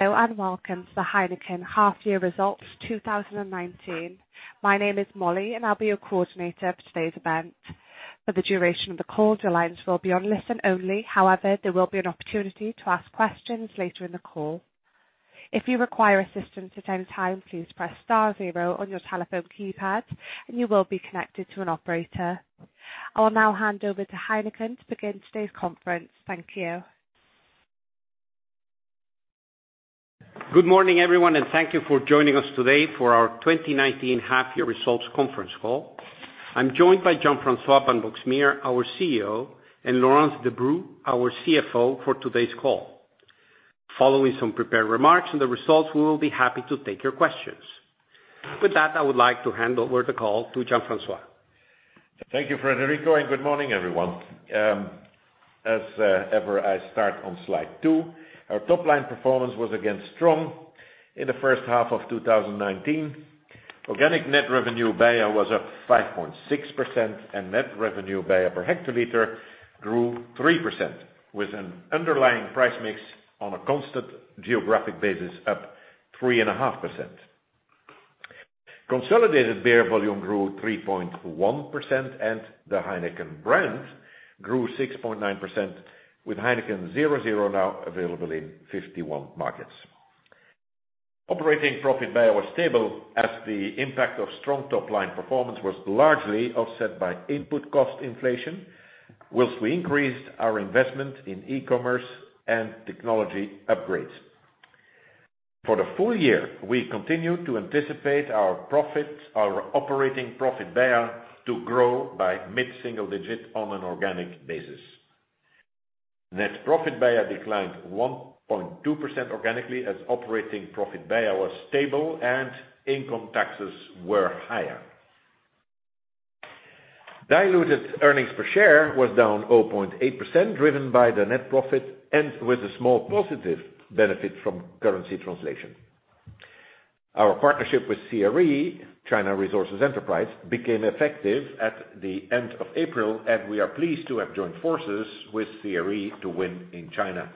Hello, welcome to the Heineken Half Year Results 2019. My name is Molly, and I'll be your coordinator for today's event. For the duration of the call, your lines will be on listen only. However, there will be an opportunity to ask questions later in the call. If you require assistance at any time, please press star zero on your telephone keypad, and you will be connected to an operator. I'll now hand over to Heineken to begin today's conference. Thank you Good morning, everyone, and thank you for joining us today for our 2019 half year results conference call. I am joined by Jean-François van Boxmeer, our CEO, and Laurence Debroux, our CFO, for today's call. Following some prepared remarks on the results, we will be happy to take your questions. With that, I would like to hand over the call to Jean-François. Thank you, Federico, and good morning, everyone. As ever, I start on slide two. Our top-line performance was again strong in the first half of 2019. Organic net revenue BEIA was up 5.6%, and net revenue BEIA per hectoliter grew 3%, with an underlying price mix on a constant geographic basis up 3.5%. Consolidated beer volume grew 3.1%, and the Heineken brand grew 6.9%, with Heineken 0.0 now available in 51 markets. Operating profit BEIA was stable as the impact of strong top-line performance was largely offset by input cost inflation, while we increased our investment in e-commerce and technology upgrades. For the full year, we continue to anticipate our operating profit BEIA to grow by mid-single digit on an organic basis. Net profit BEIA declined 1.2% organically as operating profit BEIA was stable and income taxes were higher. Diluted earnings per share was down 0.8%, driven by the net profit and with a small positive benefit from currency translation. Our partnership with CRE, China Resources Enterprise, became effective at the end of April, and we are pleased to have joined forces with CRE to win in China.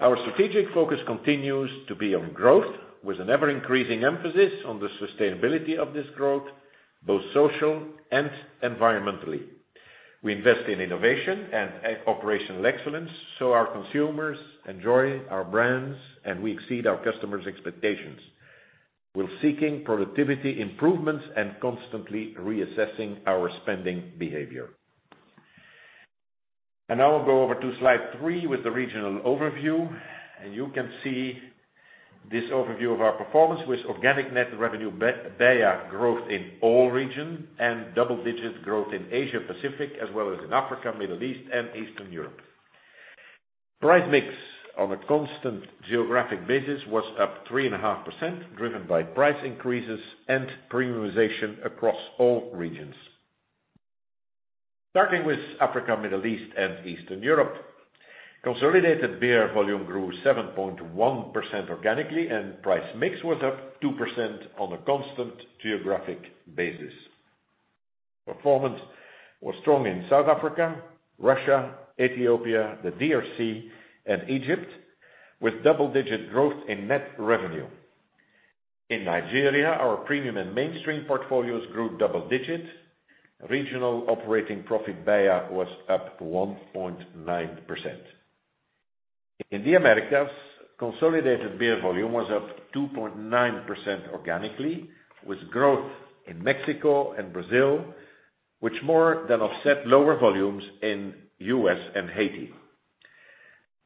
Our strategic focus continues to be on growth with an ever-increasing emphasis on the sustainability of this growth, both social and environmentally. We invest in innovation and operational excellence so our consumers enjoy our brands, and we exceed our customers' expectations. We're seeking productivity improvements and constantly reassessing our spending behavior. Now I'll go over to slide three with the regional overview. You can see this overview of our performance with organic net revenue BEIA growth in all region and double-digit growth in Asia-Pacific as well as in Africa, Middle East, and Eastern Europe. Price mix on a constant geographic basis was up 3.5%, driven by price increases and premiumization across all regions. Starting with Africa, Middle East, and Eastern Europe. Consolidated beer volume grew 7.1% organically, and price mix was up 2% on a constant geographic basis. Performance was strong in South Africa, Russia, Ethiopia, the DRC, and Egypt, with double-digit growth in net revenue. In Nigeria, our premium and mainstream portfolios grew double digits. Regional operating profit BEIA was up 1.9%. In the Americas, consolidated beer volume was up 2.9% organically, with growth in Mexico and Brazil, which more than offset lower volumes in U.S. and Haiti.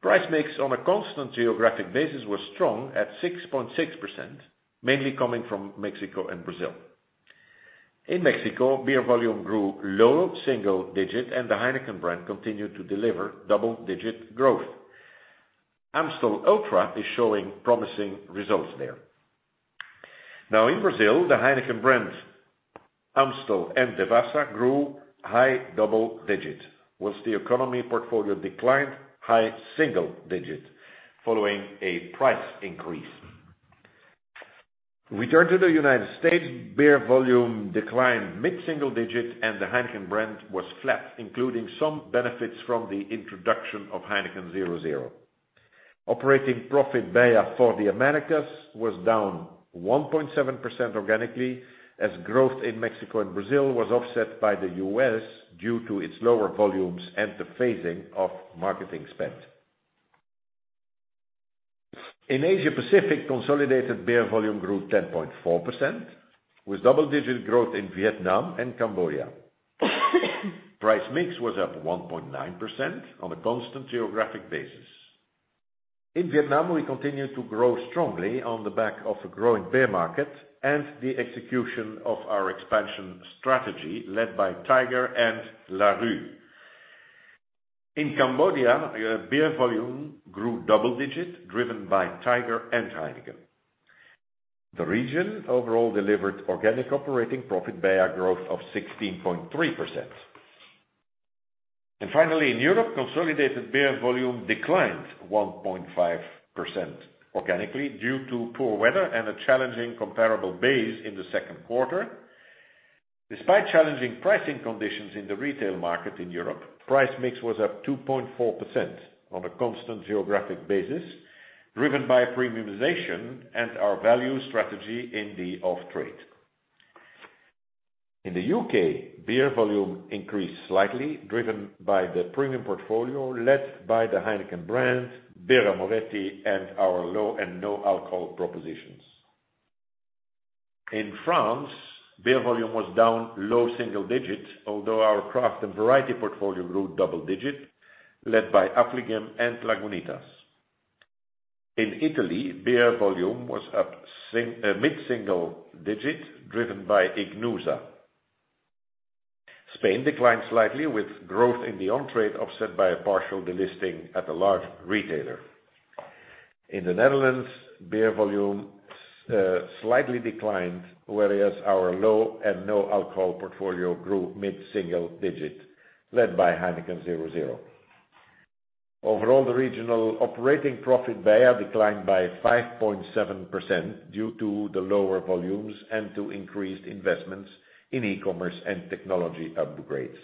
Price mix on a constant geographic basis was strong at 6.6%, mainly coming from Mexico and Brazil. In Mexico, beer volume grew low single digit, and the Heineken brand continued to deliver double-digit growth. Amstel Ultra is showing promising results there. In Brazil, the Heineken brand, Amstel and Devassa grew high double digits whilst the economy portfolio declined high single digits following a price increase. We turn to the U.S., beer volume declined mid-single digit, and the Heineken brand was flat, including some benefits from the introduction of Heineken 0.0. Operating profit BEIA for the Americas was down 1.7% organically as growth in Mexico and Brazil was offset by the U.S. due to its lower volumes and the phasing of marketing spend. In Asia-Pacific, consolidated beer volume grew 10.4%, with double-digit growth in Vietnam and Cambodia. Price mix was up 1.9% on a constant geographic basis. In Vietnam, we continued to grow strongly on the back of a growing beer market and the execution of our expansion strategy led by Tiger and Larue. In Cambodia, beer volume grew double digits, driven by Tiger and Heineken. The region overall delivered organic operating profit BEIA growth of 16.3%. Finally, in Europe, consolidated beer volume declined 1.5% organically due to poor weather and a challenging comparable base in the second quarter. Despite challenging pricing conditions in the retail market in Europe, price mix was up 2.4% on a constant geographic basis, driven by premiumization and our value strategy in the off-trade. In the U.K., beer volume increased slightly, driven by the premium portfolio led by the Heineken brands, Birra Moretti, and our low and no alcohol propositions. In France, beer volume was down low single digits, although our craft and variety portfolio grew double digits, led by Affligem and Lagunitas. In Italy, beer volume was up mid-single digits, driven by Ichnusa. Spain declined slightly with growth in the on-trade offset by a partial delisting at a large retailer. In the Netherlands, beer volume slightly declined, whereas our low and no alcohol portfolio grew mid-single digits, led by Heineken 0.0. Overall, the regional operating profit BEIA declined by 5.7% due to the lower volumes and to increased investments in e-commerce and technology upgrades.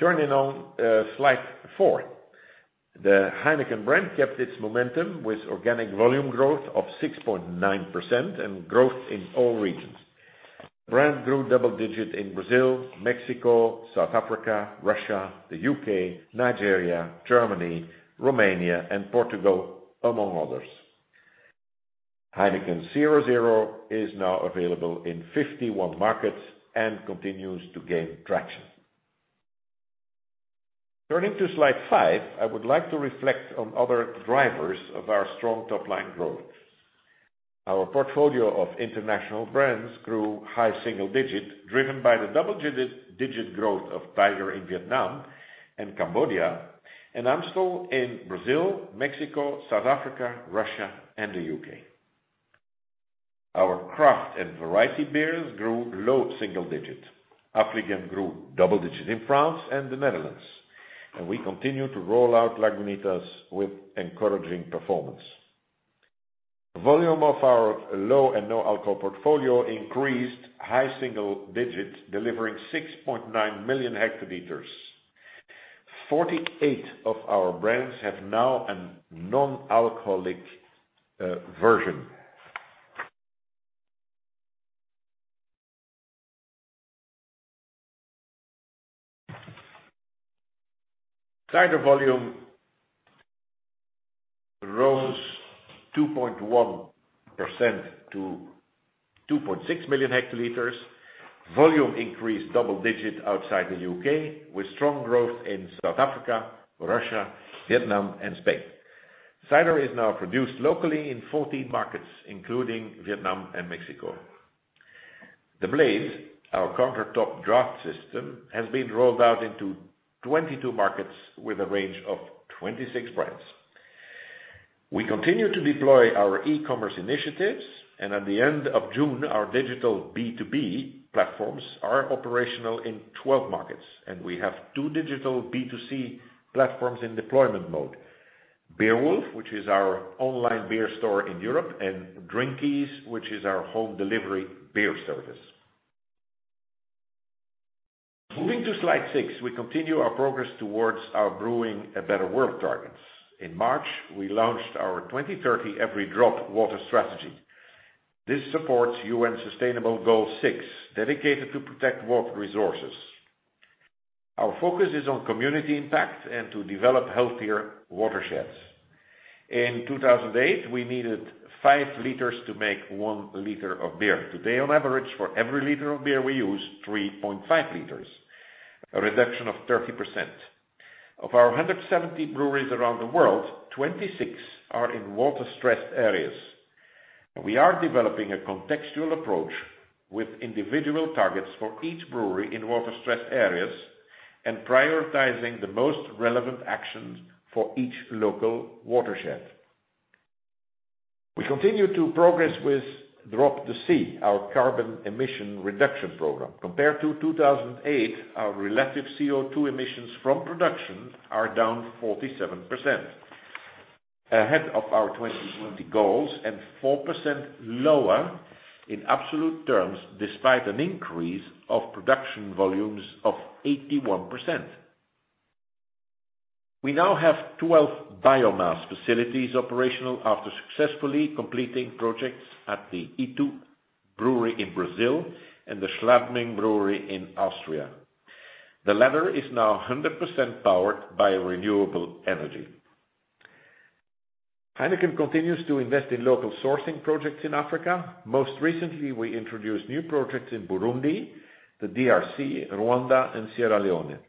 Turning on slide four. The Heineken brand kept its momentum with organic volume growth of 6.9% and growth in all regions. Brand grew double digits in Brazil, Mexico, South Africa, Russia, the U.K., Nigeria, Germany, Romania, and Portugal, among others. Heineken 0.0 is now available in 51 markets and continues to gain traction. Turning to slide five, I would like to reflect on other drivers of our strong top-line growth. Our portfolio of international brands grew high single digits, driven by the double-digit growth of Tiger in Vietnam and Cambodia, and Amstel in Brazil, Mexico, South Africa, Russia, and the U.K. Our craft and variety beers grew low single digits. Affligem grew double digits in France and the Netherlands, and we continue to roll out Lagunitas with encouraging performance. Volume of our low and no alcohol portfolio increased high single digits, delivering 6.9 million hL. 48 of our brands have now a non-alcoholic version. Cider volume rose 2.1% to 2.6 million hL. Volume increased double digits outside the U.K., with strong growth in South Africa, Russia, Vietnam and Spain. Cider is now produced locally in 14 markets, including Vietnam and Mexico. The BLADE, our countertop draught system, has been rolled out into 22 markets with a range of 26 brands. We continue to deploy our e-commerce initiatives. At the end of June, our digital B2B platforms are operational in 12 markets, and we have two digital B2C platforms in deployment mode. Beerwulf, which is our online beer store in Europe, and Drinkies, which is our home delivery beer service. Moving to slide six, we continue our progress towards our Brewing a Better World targets. In March, we launched our 2030 Every Drop water strategy. This supports UN Sustainable Goal Six, dedicated to protect water resources. Our focus is on community impact and to develop healthier watersheds. In 2008, we needed five liters to make one liter of beer. Today, on average, for every liter of beer, we use 3.5 liters, a reduction of 30%. Of our 170 breweries around the world, 26 are in water-stressed areas. We are developing a contextual approach with individual targets for each brewery in water-stressed areas and prioritizing the most relevant actions for each local watershed. We continue to progress with Drop the C, our carbon emission reduction program. Compared to 2008, our relative CO2 emissions from production are down 47%, ahead of our 2020 goals and 4% lower in absolute terms despite an increase of production volumes of 81%. We now have 12 biomass facilities operational after successfully completing projects at the Itu brewery in Brazil and the Schladming brewery in Austria. The latter is now 100% powered by renewable energy. Heineken continues to invest in local sourcing projects in Africa. Most recently, we introduced new projects in Burundi, the D.R.C., Rwanda, and Sierra Leone.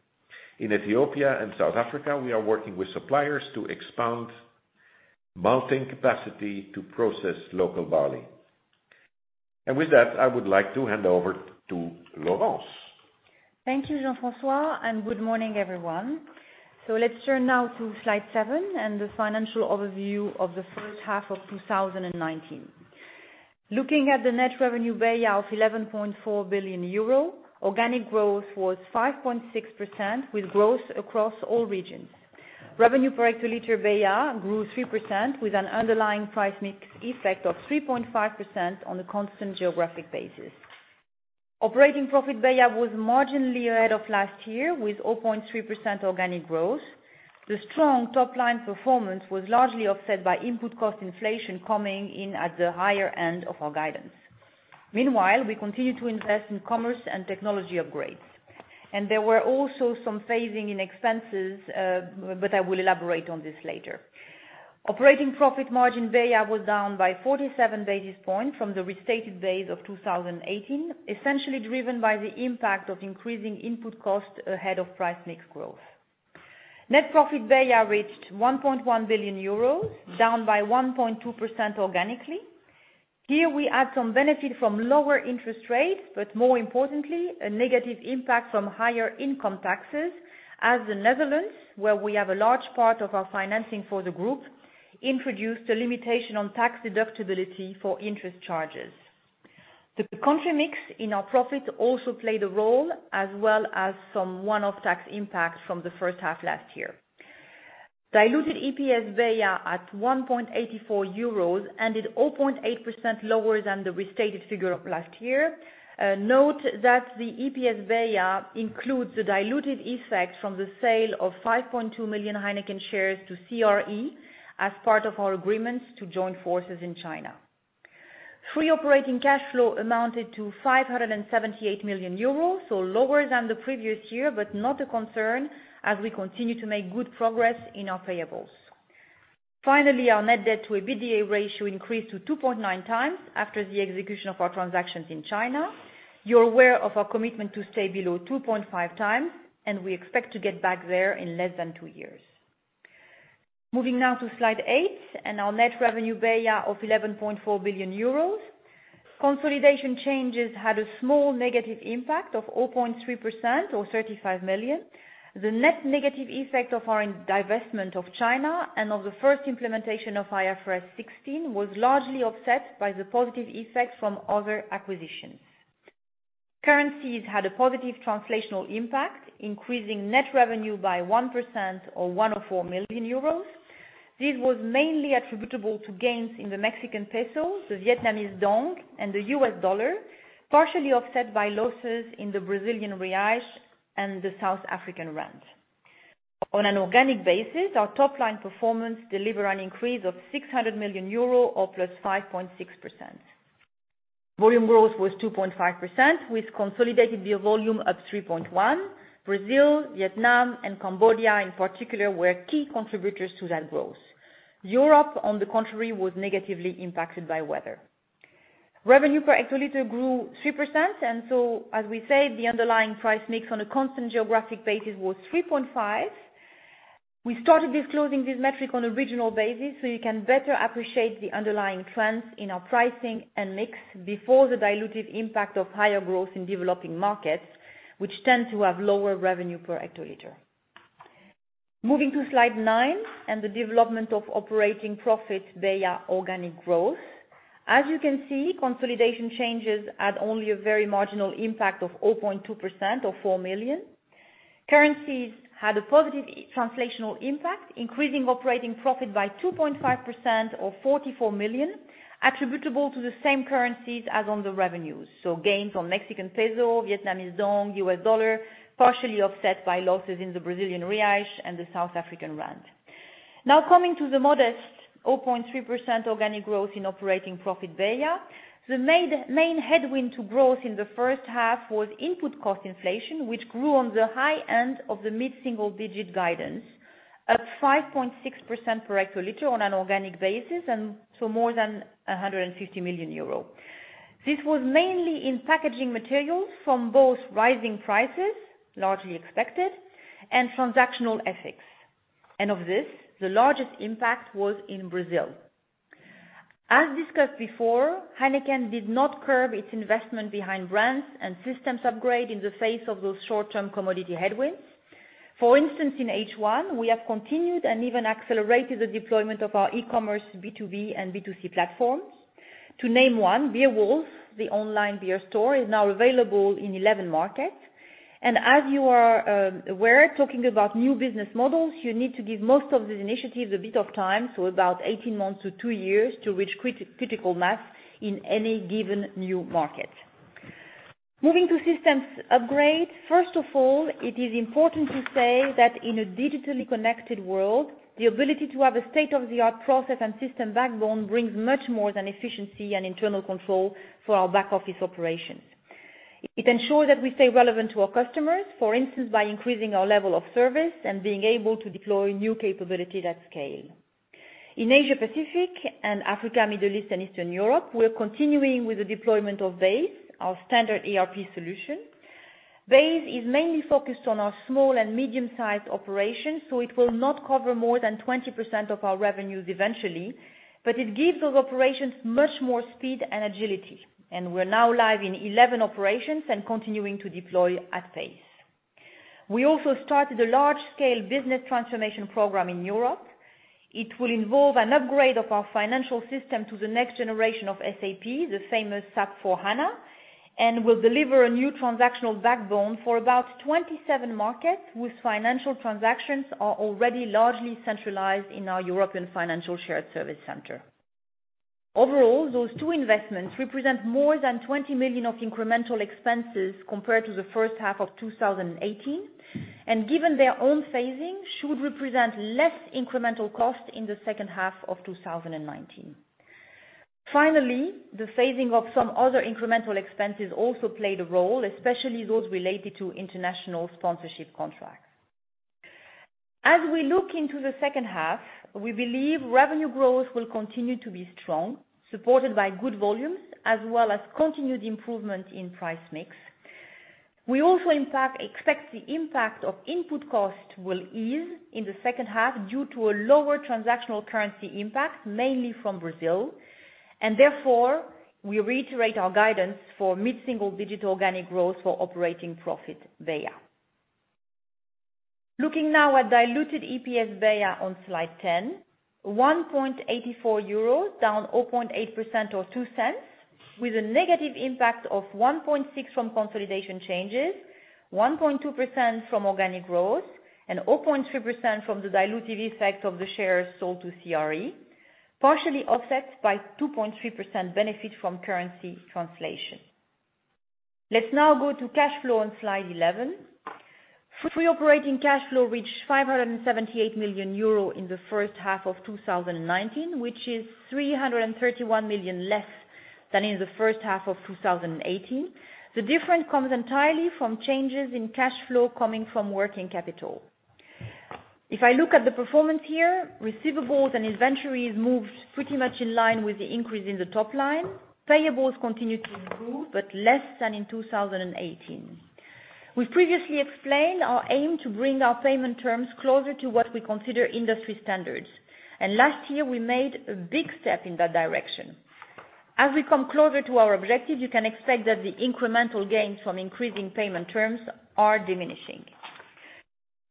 In Ethiopia and South Africa, we are working with suppliers to expand malting capacity to process local barley. With that, I would like to hand over to Laurence. Thank you, Jean-François. Good morning, everyone. Let's turn now to slide seven and the financial overview of the first half of 2019. Looking at the net revenue BEIA of 11.4 billion euro, organic growth was 5.6% with growth across all regions. Revenue per hectolitre BEIA grew 3%, with an underlying price mix effect of 3.5% on a constant geographic basis. Operating profit BEIA was marginally ahead of last year with 0.3% organic growth. The strong top-line performance was largely offset by input cost inflation coming in at the higher end of our guidance. Meanwhile, we continue to invest in commerce and technology upgrades. There were also some phasing in expenses. I will elaborate on this later. Operating profit margin BEIA was down by 47 basis points from the restated base of 2018, essentially driven by the impact of increasing input costs ahead of price mix growth. Net profit BEIA reached 1.1 billion euros, down by 1.2% organically. We had some benefit from lower interest rates, but more importantly, a negative impact from higher income taxes as the Netherlands, where we have a large part of our financing for the group, introduced a limitation on tax deductibility for interest charges. The country mix in our profit also played a role, as well as some one-off tax impact from the first half last year. Diluted EPS BEIA at 1.84 euros, ended 0.8% lower than the restated figure of last year. Note that the EPS BEIA includes the diluted effect from the sale of 5.2 million Heineken shares to CRE as part of our agreements to join forces in China. Free operating cash flow amounted to 578 million euros, lower than the previous year, but not a concern as we continue to make good progress in our payables. Finally, our net debt to EBITDA ratio increased to 2.9x after the execution of our transactions in China. You're aware of our commitment to stay below 2.5x, and we expect to get back there in less than two years. Moving now to slide eight and our net revenue BEIA of 11.4 billion euros. Consolidation changes had a small negative impact of 0.3% or 35 million. The net negative effect of our divestment of China and of the first implementation of IFRS 16 was largely offset by the positive effects from other acquisitions. Currencies had a positive translational impact, increasing net revenue by 1% or 104 million euros. This was mainly attributable to gains in the Mexican peso, the Vietnamese đồng, and the US dollar, partially offset by losses in the Brazilian real and the South African rand. On an organic basis, our top-line performance delivered an increase of 600 million euro or +5.6%. Volume growth was 2.5%, with consolidated beer volume up 3.1%. Brazil, Vietnam, and Cambodia in particular were key contributors to that growth. Europe, on the contrary, was negatively impacted by weather. Revenue per hectoliter grew 3%. As we said, the underlying price mix on a constant geographic basis was 3.5%. We started disclosing this metric on a regional basis. You can better appreciate the underlying trends in our pricing and mix before the dilutive impact of higher growth in developing markets, which tend to have lower revenue per hectoliter. Moving to slide nine and the development of operating profit BEIA organic growth. As you can see, consolidation changes had only a very marginal impact of 0.2% or 4 million. Currencies had a positive translational impact, increasing operating profit by 2.5% or 44 million attributable to the same currencies as on the revenues. Gains on Mexican peso, Vietnamese đồng, US dollar, partially offset by losses in the Brazilian real and the South African rand. Coming to the modest 0.3% organic growth in operating profit BEIA, the main headwind to growth in the first half was input cost inflation, which grew on the high end of the mid-single digit guidance at 5.6% per hectolitre on an organic basis, more than 150 million euros. This was mainly in packaging materials from both rising prices, largely expected, and transactional effects. Of this, the largest impact was in Brazil. As discussed before, Heineken did not curb its investment behind brands and systems upgrade in the face of those short-term commodity headwinds. For instance, in H1, we have continued and even accelerated the deployment of our e-commerce B2B and B2C platforms. To name one, Beerwulf, the online beer store, is now available in 11 markets. As you are aware, talking about new business models, you need to give most of these initiatives a bit of time, so about 18 months to two years to reach critical mass in any given new market. Moving to systems upgrade. First of all, it is important to say that in a digitally connected world, the ability to have a state-of-the-art process and system backbone brings much more than efficiency and internal control for our back-office operations. It ensures that we stay relevant to our customers, for instance, by increasing our level of service and being able to deploy new capabilities at scale. In Asia Pacific and Africa, Middle East, and Eastern Europe, we're continuing with the deployment of BASE, our standard ERP solution. BASE is mainly focused on our small and medium-sized operations, so it will not cover more than 20% of our revenues eventually, but it gives those operations much more speed and agility. We're now live in 11 operations and continuing to deploy at pace. We also started a large-scale business transformation program in Europe. It will involve an upgrade of our financial system to the next generation of SAP, the famous SAP S/4HANA, and will deliver a new transactional backbone for about 27 markets whose financial transactions are already largely centralized in our European financial shared service center. Overall, those two investments represent more than 20 million of incremental expenses compared to the first half of 2018, and given their own phasing, should represent less incremental cost in the second half of 2019. Finally, the phasing of some other incremental expenses also played a role, especially those related to international sponsorship contracts. As we look into the second half, we believe revenue growth will continue to be strong, supported by good volumes as well as continued improvement in price mix. We also, in fact, expect the impact of input cost will ease in the second half due to a lower transactional currency impact, mainly from Brazil. Therefore, we reiterate our guidance for mid-single-digit organic growth for operating profit BEIA. Looking now at diluted EPS BEIA on slide 10, 1.84 euros, down 0.8% or 0.02, with a negative impact of 1.6% from consolidation changes, 1.2% from organic growth, and 0.3% from the dilutive effect of the shares sold to CRE, partially offset by 2.3% benefit from currency translation. Let's now go to cash flow on slide 11. Free operating cash flow reached 578 million euro in the first half of 2019, which is 331 million less than in the first half of 2018. The difference comes entirely from changes in cash flow coming from working capital. If I look at the performance here, receivables and inventories moved pretty much in line with the increase in the top line. Payables continued to improve, less than in 2018. We've previously explained our aim to bring our payment terms closer to what we consider industry standards. Last year we made a big step in that direction. As we come closer to our objective, you can expect that the incremental gains from increasing payment terms are diminishing.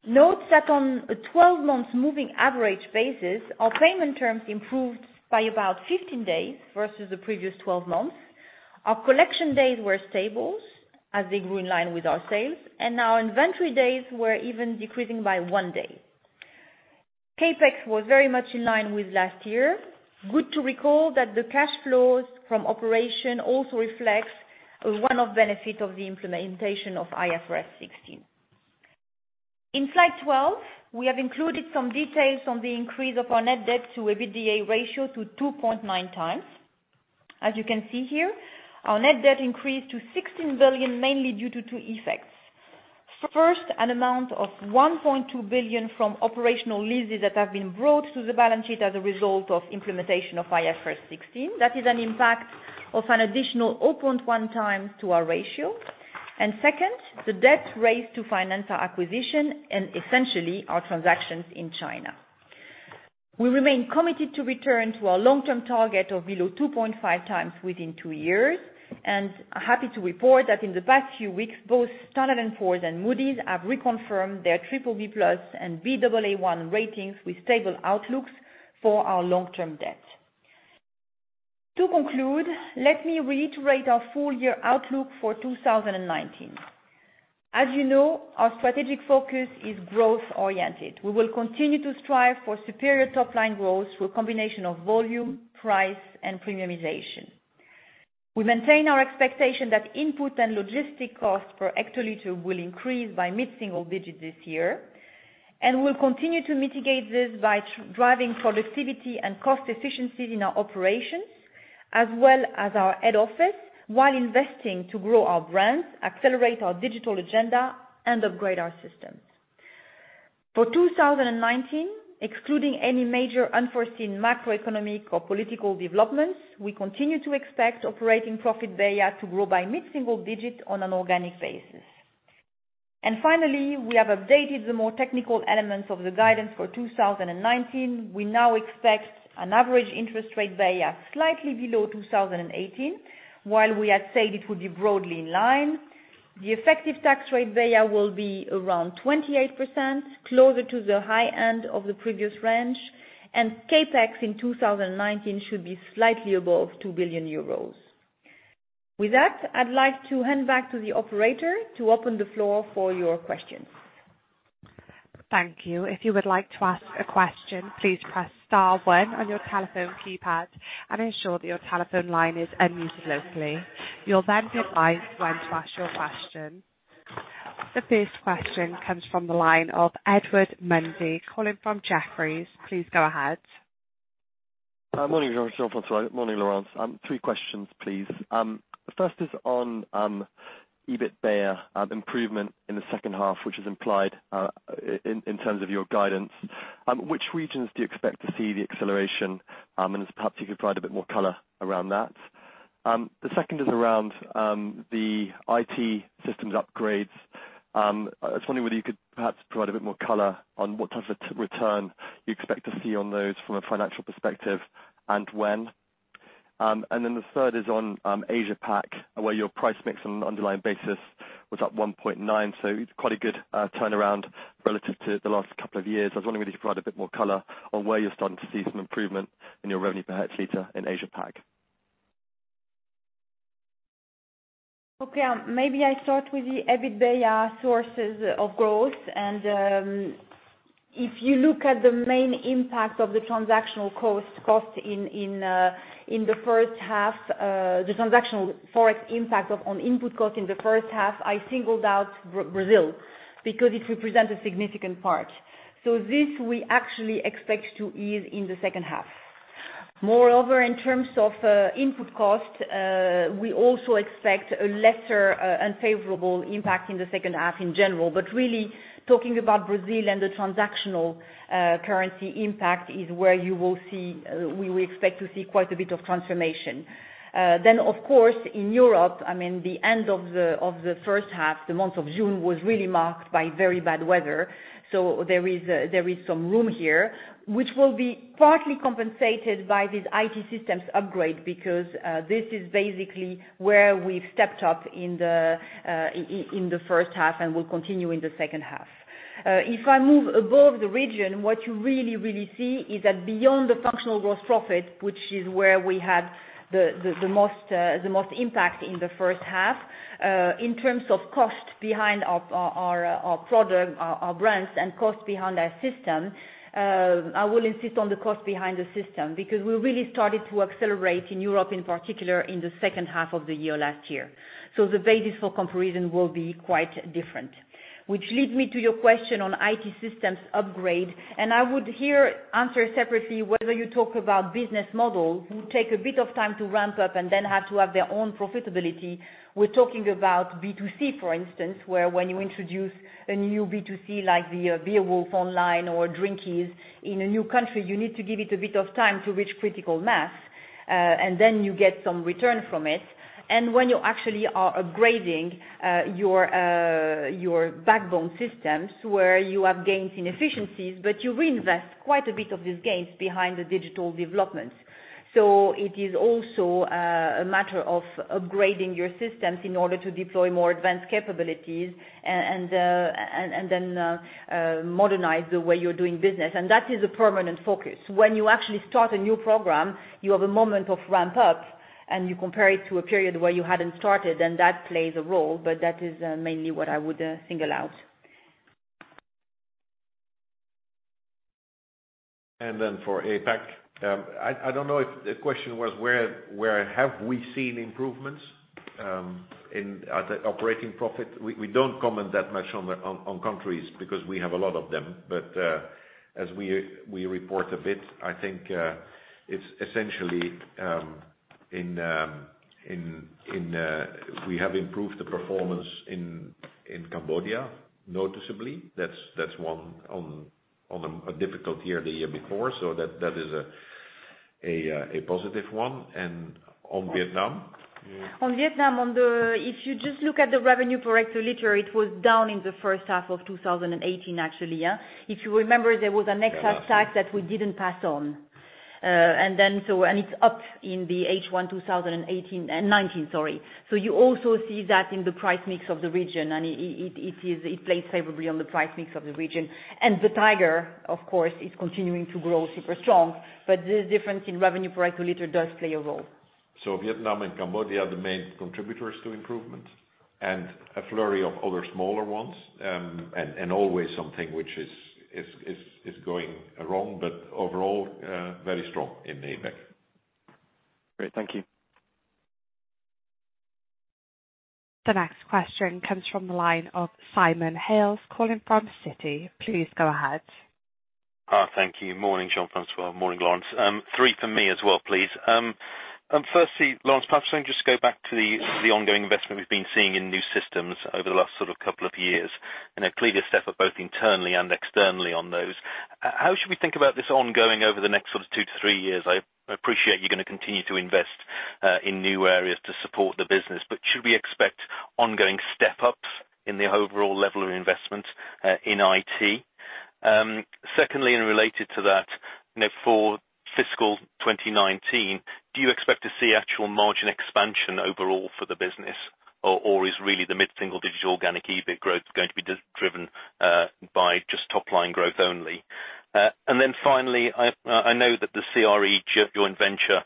Note that on a 12-month moving average basis, our payment terms improved by about 15 days versus the previous 12 months. Our collection days were stable as they grew in line with our sales. Our inventory days were even decreasing by one day. CapEx was very much in line with last year. Good to recall that the cash flows from operation also reflects a one-off benefit of the implementation of IFRS 16. In slide 12, we have included some details on the increase of our net debt to EBITDA ratio to 2.9x. As you can see here, our net debt increased to 16 billion, mainly due to two effects. First, an amount of 1.2 billion from operational leases that have been brought to the balance sheet as a result of implementation of IFRS 16. That is an impact of an additional 0.1x to our ratio. Second, the debt raised to finance our acquisition and essentially our transactions in China. We remain committed to return to our long-term target of below 2.5x within two years, and happy to report that in the past few weeks, both Standard & Poor's and Moody's have reconfirmed their BBB+ and Baa1 ratings with stable outlooks for our long-term debt. To conclude, let me reiterate our full year outlook for 2019. As you know, our strategic focus is growth-oriented. We will continue to strive for superior top-line growth through a combination of volume, price, and premiumization. We maintain our expectation that input and logistic cost per hectoliter will increase by mid-single digits this year, we'll continue to mitigate this by driving productivity and cost efficiencies in our operations as well as our head office while investing to grow our brands, accelerate our digital agenda, and upgrade our systems. For 2019, excluding any major unforeseen macroeconomic or political developments, we continue to expect operating profit BEIA to grow by mid-single digits on an organic basis. Finally, we have updated the more technical elements of the guidance for 2019. We now expect an average interest rate BEIA slightly below 2018. While we had said it would be broadly in line, the effective tax rate BEIA will be around 28%, closer to the high end of the previous range, and CapEx in 2019 should be slightly above 2 billion euros. With that, I'd like to hand back to the operator to open the floor for your questions. Thank you. If you would like to ask a question, please press *1 on your telephone keypad and ensure that your telephone line is unmuted locally. You'll then be advised when to ask your question. The first question comes from the line of Edward Mundy calling from Jefferies. Please go ahead. Morning, Jean-François. Morning, Laurence. Three questions, please. The first is on EBIT BEIA improvement in the second half, which is implied in terms of your guidance. Which regions do you expect to see the acceleration? Perhaps you could provide a bit more color around that. The second is around the IT systems upgrades. I was wondering whether you could perhaps provide a bit more color on what type of return you expect to see on those from a financial perspective, and when. The third is on Asia-Pac, where your price mix on an underlying basis was up 1.9. Quite a good turnaround relative to the last couple of years. I was wondering whether you could provide a bit more color on where you're starting to see some improvement in your revenue per hectoliter in Asia-Pac. Okay. Maybe I start with the EBITDA sources of growth. If you look at the main impact of the transactional cost in the first half, the transactional ForEx impact on input cost in the first half, I singled out Brazil because it represents a significant part. This we actually expect to ease in the second half. Moreover, in terms of input cost, we also expect a lesser unfavorable impact in the second half in general. Really talking about Brazil and the transactional currency impact is where we will expect to see quite a bit of transformation. Of course, in Europe, the end of the first half, the month of June was really marked by very bad weather. There is some room here, which will be partly compensated by this IT systems upgrade because, this is basically where we've stepped up in the first half and will continue in the second half. If I move above the region, what you really see is that beyond the functional growth profit, which is where we had the most impact in the first half, in terms of cost behind our brands and cost behind our system, I will insist on the cost behind the system, because we really started to accelerate in Europe, in particular, in the second half of the year last year. The basis for comparison will be quite different. Which leads me to your question on IT systems upgrade, and I would here answer separately whether you talk about business models who take a bit of time to ramp up and then have to have their own profitability. We're talking about B2C, for instance, where when you introduce a new B2C, like the Beerwulf online or Drinkies in a new country, you need to give it a bit of time to reach critical mass, and then you get some return from it. When you actually are upgrading your backbone systems where you have gains in efficiencies, but you reinvest quite a bit of these gains behind the digital developments. It is also a matter of upgrading your systems in order to deploy more advanced capabilities and then modernize the way you're doing business. That is a permanent focus. When you actually start a new program, you have a moment of ramp up, and you compare it to a period where you hadn't started, and that plays a role, but that is mainly what I would single out. For APAC, I don't know if the question was where have we seen improvements at operating profit? We don't comment that much on countries because we have a lot of them. As we report a bit, it's essentially, we have improved the performance in Cambodia noticeably. That's one on a difficult year, the year before, that is a positive one on Vietnam. On Vietnam, if you just look at the revenue per hectoliter, it was down in the first half of 2018, actually. If you remember, there was an excise tax that we didn't pass on. It's up in the H1 2019. You also see that in the price mix of the region, and it plays favorably on the price mix of the region. The Tiger, of course, is continuing to grow super strong. This difference in revenue per hectoliter does play a role. Vietnam and Cambodia are the main contributors to improvement and a flurry of other smaller ones, and always something which is going wrong, but overall, very strong in APAC. Great. Thank you. The next question comes from the line of Simon Hales calling from Citi. Please go ahead. Thank you. Morning, Jean-François. Morning, Laurence. Three from me as well, please. Firstly, Laurence, perhaps can we just go back to the ongoing investment we've been seeing in new systems over the last couple of years and a clear step up both internally and externally on those. How should we think about this ongoing over the next two to three years? I appreciate you're going to continue to invest in new areas to support the business. Should we expect ongoing step-ups in the overall level of investment in IT? Secondly, related to that, for fiscal 2019, do you expect to see actual margin expansion overall for the business or is really the mid-single digit organic EBIT growth going to be driven by just top-line growth only? Finally, I know that the CRE joint venture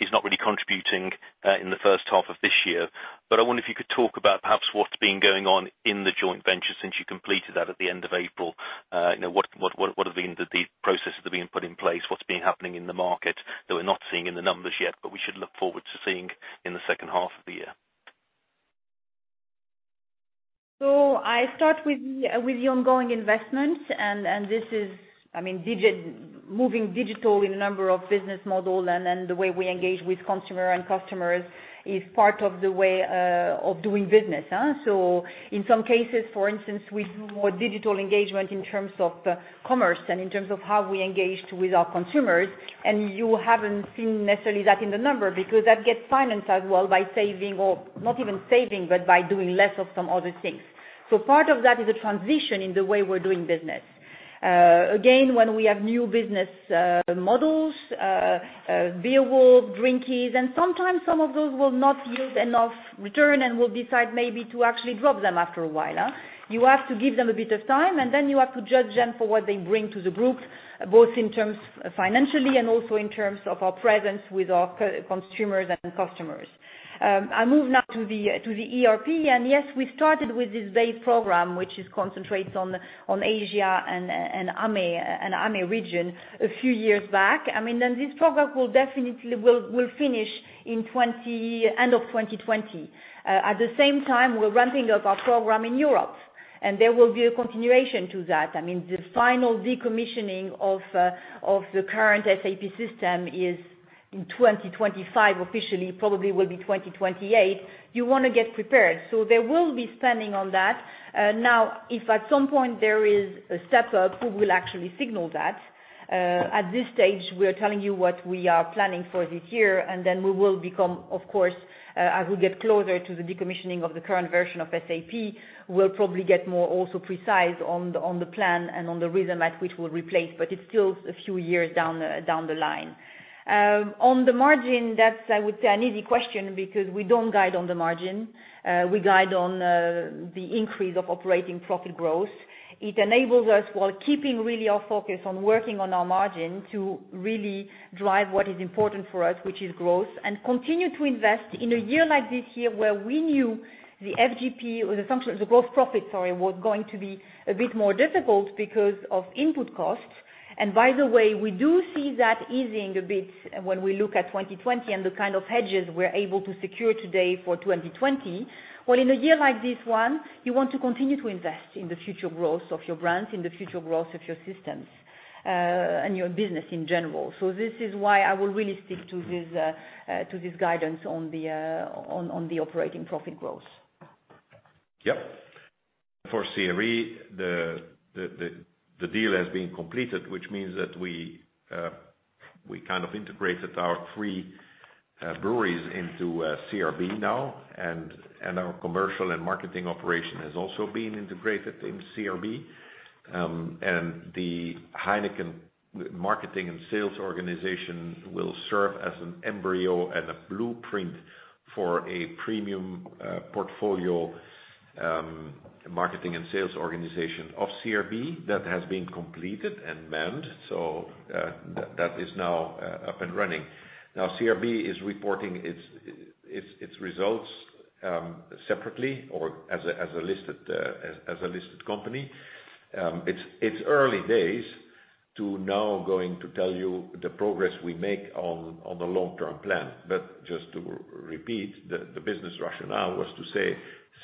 is not really contributing in the first half of this year, but I wonder if you could talk about perhaps what's been going on in the joint venture since you completed that at the end of April. What have been the processes that have been put in place? What's been happening in the market that we're not seeing in the numbers yet, but we should look forward to seeing in the second half of the year? I start with the ongoing investments, and this is moving digital in a number of business models and then the way we engage with consumer and customers is part of the way of doing business, huh? In some cases, for instance, we do more digital engagement in terms of commerce and in terms of how we engaged with our consumers, and you haven't seen necessarily that in the number, because that gets financed as well by saving, or not even saving, but by doing less of some other things. Part of that is a transition in the way we're doing business. Again, when we have new business models, Beerwulf, Drinkies, and sometimes some of those will not yield enough return and we'll decide maybe to actually drop them after a while. You have to give them a bit of time, and then you have to judge them for what they bring to the group, both in terms financially and also in terms of our presence with our consumers and customers. Yes, we started with this BASE program, which concentrates on Asia and AME region a few years back. This program will definitely finish end of 2020. At the same time, we're ramping up our program in Europe. There will be a continuation to that. The final decommissioning of the current SAP system is in 2025 officially, probably will be 2028. You want to get prepared. There will be spending on that. Now, if at some point there is a step up, we will actually signal that. At this stage, we are telling you what we are planning for this year, and then we will become, of course, as we get closer to the decommissioning of the current version of SAP, we'll probably get more also precise on the plan and on the rhythm at which we'll replace. It's still a few years down the line. On the margin, that's, I would say, an easy question because we don't guide on the margin. We guide on the increase of operating profit growth. It enables us, while keeping really our focus on working on our margin, to really drive what is important for us, which is growth, and continue to invest in a year like this year where we knew the FGP or the growth profit, sorry, was going to be a bit more difficult because of input costs. By the way, we do see that easing a bit when we look at 2020 and the kind of hedges we're able to secure today for 2020. Well, in a year like this one, you want to continue to invest in the future growth of your brand, in the future growth of your systems, and your business in general. This is why I will really stick to this guidance on the operating profit growth. Yep. For CRE, the deal has been completed, which means that we kind of integrated our three breweries into CRB now, and our commercial and marketing operation has also been integrated into CRB. The Heineken marketing and sales organization will serve as an embryo and a blueprint for a premium portfolio marketing and sales organization of CRB that has been completed and manned. That is now up and running. Now CRB is reporting its results separately or as a listed company. It's early days to now going to tell you the progress we make on the long-term plan. Just to repeat, the business rationale was to say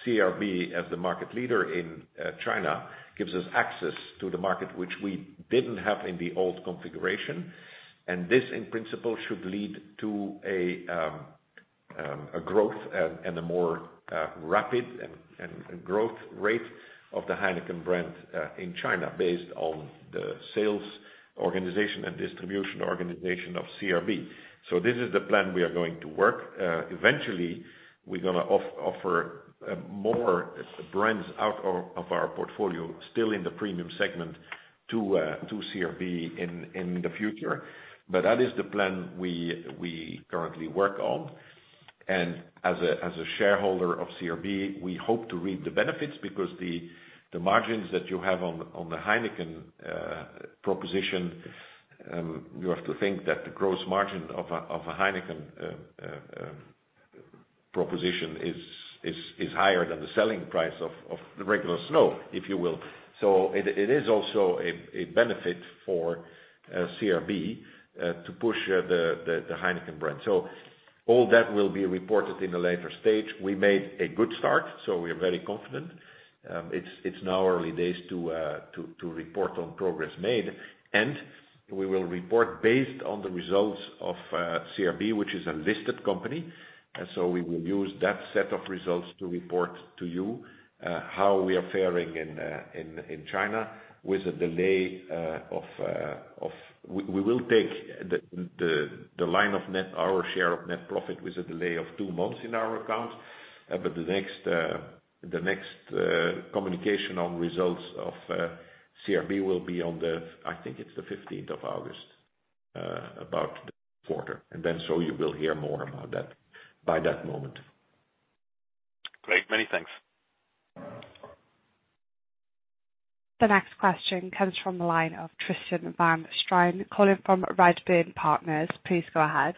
CRB as the market leader in China gives us access to the market which we didn't have in the old configuration, and this in principle should lead to a growth and a more rapid growth rate of the Heineken brand in China based on the sales organization and distribution organization of CRB. This is the plan we are going to work. Eventually, we're going to offer more brands out of our portfolio still in the premium segment to CRB in the future. That is the plan we currently work on. As a shareholder of CRB, we hope to reap the benefits because the margins that you have on the Heineken proposition, you have to think that the gross margin of a Heineken proposition is higher than the selling price of the regular Snow, if you will. It is also a benefit for CRB to push the Heineken brand. All that will be reported in a later stage. We made a good start, so we are very confident. It is now early days to report on progress made, and we will report based on the results of CRB, which is a listed company. We will use that set of results to report to you how we are fairing in China. We will take the line of our share of net profit with a delay of two months in our account. The next communication on results of CRB will be on the, I think it is the 15th of August, about the quarter. You will hear more about that by that moment. Great. Many thanks. The next question comes from the line of Tristan van Strien calling from Redburn Partners. Please go ahead.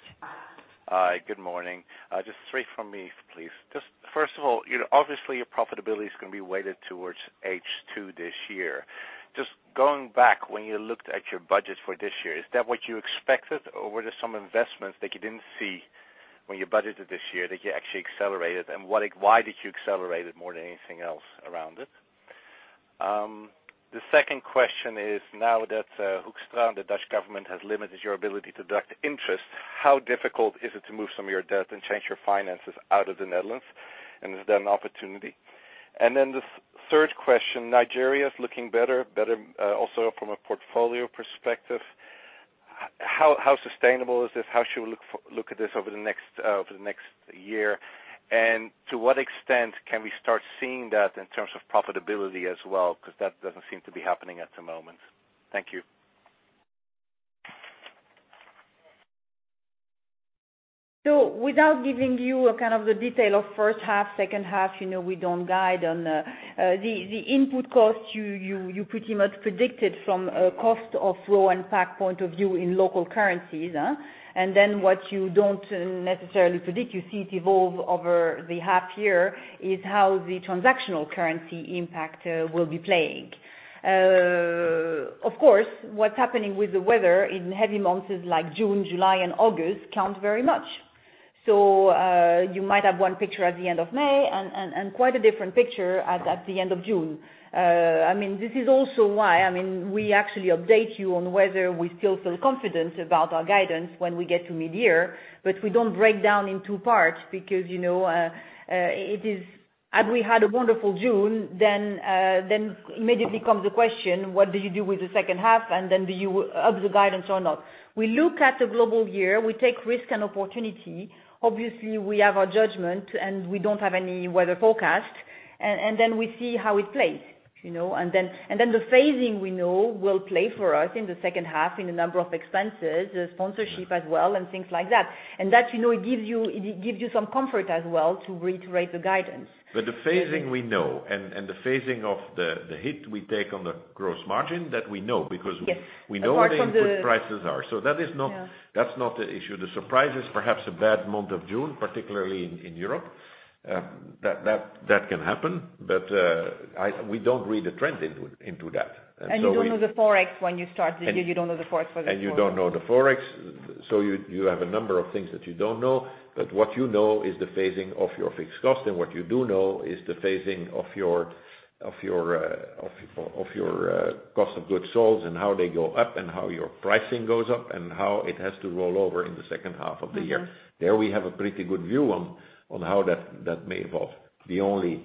Hi, good morning. Just three from me, please. First of all, obviously your profitability is going to be weighted towards H2 this year. Going back when you looked at your budget for this year, is that what you expected, or were there some investments that you didn't see when you budgeted this year that you actually accelerated? Why did you accelerate it more than anything else around it? The second question is, now that Hoekstra, the Dutch government, has limited your ability to deduct interest, how difficult is it to move some of your debt and change your finances out of the Netherlands? Is there an opportunity? The third question, Nigeria is looking better also from a portfolio perspective. How sustainable is this? How should we look at this over the next year? To what extent can we start seeing that in terms of profitability as well? That doesn't seem to be happening at the moment. Thank you. Without giving you the detail of first half, second half, we don't guide on the input costs you pretty much predicted from a cost of raw impact point of view in local currencies. What you don't necessarily predict, you see it evolve over the half year, is how the transactional currency impact will be playing. Of course, what's happening with the weather in heavy months like June, July, and August counts very much. You might have one picture at the end of May and quite a different picture at the end of June. This is also why, we actually update you on whether we still feel confident about our guidance when we get to mid-year. We don't break down in two parts because, had we had a wonderful June, then immediately comes the question, what do you do with the second half, then do you up the guidance or not? We look at the global year. We take risk and opportunity. Obviously, we have our judgment, and we don't have any weather forecast, then we see how it plays. The phasing, we know, will play for us in the second half in a number of expenses, sponsorship as well, and things like that. That gives you some comfort as well to reiterate the guidance. The phasing we know, and the phasing of the hit we take on the gross margin, that we know. Yes. we know what the input prices are. Yeah That's not the issue. The surprise is perhaps a bad month of June, particularly in Europe. That can happen, but we don't read a trend into that. You don't know the Forex when you start the year. You don't know the Forex for this quarter. You don't know the Forex. You have a number of things that you don't know. What you know is the phasing of your fixed cost, and what you do know is the phasing of your cost of goods sold and how they go up and how your pricing goes up and how it has to roll over in the second half of the year. There we have a pretty good view on how that may evolve. The only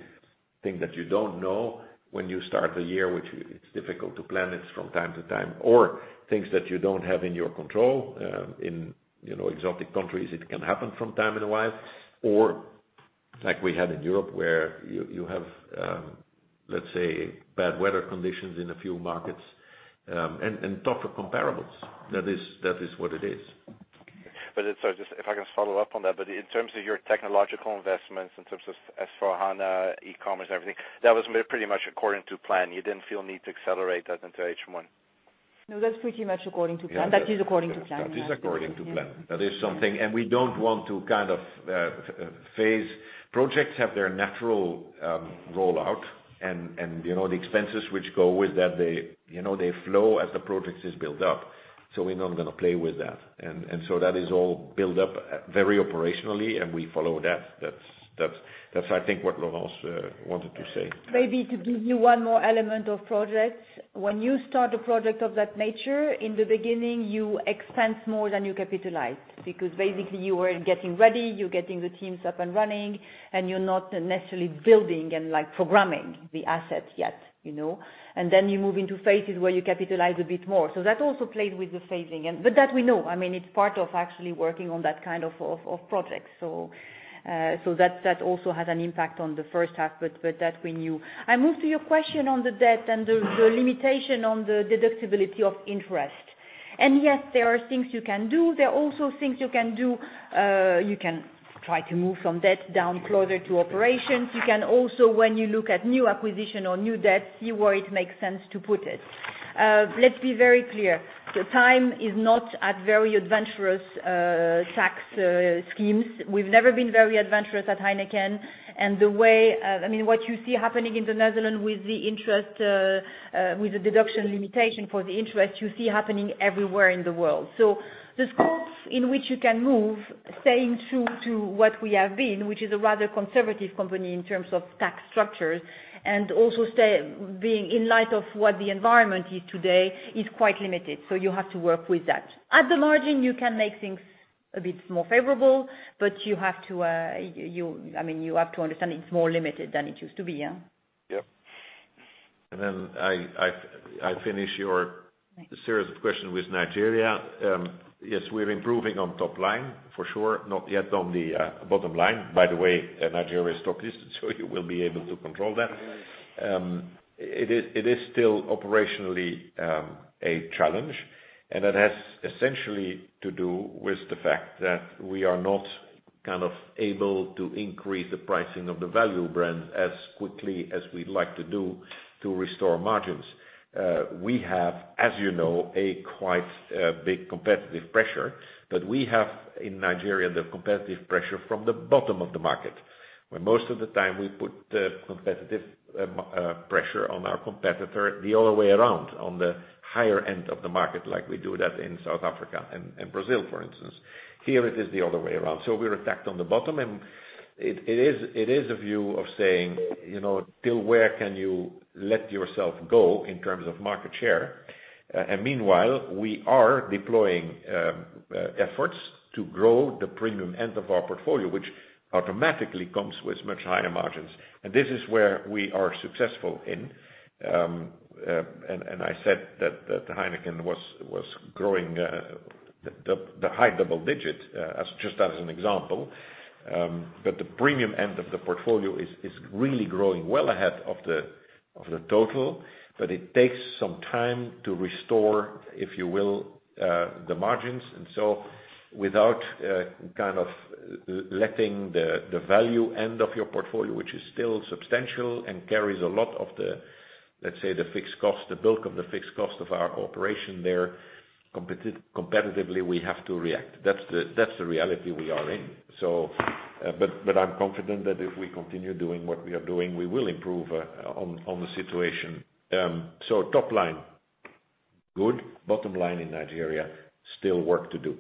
thing that you don't know when you start the year, which it's difficult to plan this from time to time, or things that you don't have in your control, in exotic countries, it can happen from time to time. Like we had in Europe, where you have, let's say, bad weather conditions in a few markets, and tougher comparables. That is what it is. Sorry, just if I can follow up on that. In terms of your technological investments, in terms of S/4HANA, e-commerce, everything, that was pretty much according to plan. You didn't feel need to accelerate that into H1? No, that's pretty much according to plan. That is according to plan. That is according to plan. That is something. Projects have their natural rollout, and the expenses which go with that, they flow as the project is built up. We're not going to play with that. That is all built up very operationally, and we follow that. That's, I think, what Laurence wanted to say. Maybe to give you one more element of projects. When you start a project of that nature, in the beginning, you expense more than you capitalize because basically, you were getting ready, you're getting the teams up and running, and you're not necessarily building and programming the assets yet. Then you move into phases where you capitalize a bit more. That also played with the phasing, but that we know. It's part of actually working on that kind of project. That also has an impact on the first half, but that we knew. I move to your question on the debt and the limitation on the deductibility of interest. Yes, there are things you can do. There are also things you can do. You can try to move some debt down closer to operations. You can also, when you look at new acquisition or new debt, see where it makes sense to put it. Let's be very clear. The time is not at very adventurous tax schemes. We've never been very adventurous at Heineken, and what you see happening in the Netherlands with the deduction limitation for the interest, you see happening everywhere in the world. The scope in which you can move, staying true to what we have been, which is a rather conservative company in terms of tax structures, and also being in light of what the environment is today, is quite limited. You have to work with that. At the margin, you can make things a bit more favorable, but you have to understand it's more limited than it used to be, yeah. Yep. I finish your series of questions with Nigeria. Yes, we're improving on top line, for sure. Not yet on the bottom line. Nigeria is stock listed, so you will be able to control that. It is still operationally a challenge, and that has essentially to do with the fact that we are not able to increase the pricing of the value brands as quickly as we'd like to do to restore margins. We have, as you know, a quite big competitive pressure, but we have in Nigeria, the competitive pressure from the bottom of the market, where most of the time we put competitive pressure on our competitor the other way around, on the higher end of the market, like we do that in South Africa and Brazil, for instance. Here, it is the other way around. We're attacked on the bottom, and it is a view of saying, till where can you let yourself go in terms of market share? Meanwhile, we are deploying efforts to grow the premium end of our portfolio, which automatically comes with much higher margins. This is where we are successful in. I said that Heineken was growing the high double digit, just as an example. The premium end of the portfolio is really growing well ahead of the total, but it takes some time to restore, if you will, the margins. Without letting the value end of your portfolio, which is still substantial and carries a lot of the, let's say, the bulk of the fixed cost of our operation there competitively, we have to react. That's the reality we are in. I'm confident that if we continue doing what we are doing, we will improve on the situation. Top line, good. Bottom line in Nigeria, still work to do.